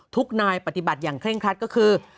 ทุกนายปฏิบัติอย่างเร่งครัดก็คือ